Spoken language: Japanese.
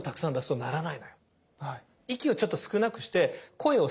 はい。